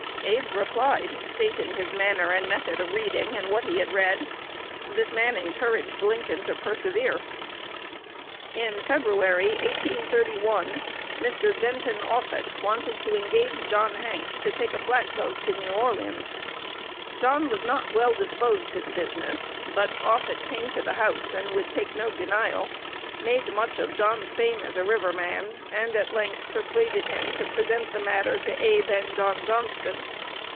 Abe replied, stating his manner and method of reading, and what he had read. The man encouraged Lincoln to persevere." In February, 1831, a Mr. Denton Offutt wanted to engage John Hanks to take a flatboat to New Orleans. John was not well disposed to the business; but Offutt came to the house, and would take no denial; made much of John's fame as a river man, and at length persuaded him to present the matter to Abe and John Johnston.